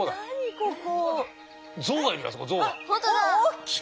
ここ。